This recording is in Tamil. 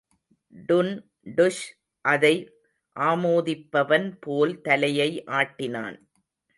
டுன்டுஷ் அதை அமோதிப்பவன் போல் தலையை ஆட்டினான்.